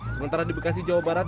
sementara di bekasi jawa barat